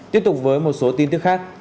tiếp tục với một số tin tức khác